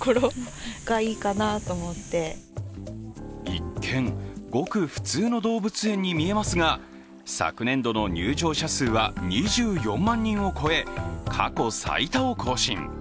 一見、ごく普通の動物園に見えますが昨年度の入場者数は２４万人を超え、過去最多を更新。